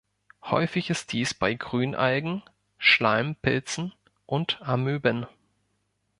Häufig ist dies bei Grünalgen, Schleimpilzen und Amöben.